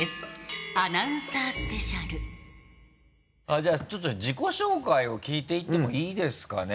じゃあちょっと自己紹介を聞いていってもいいですかね？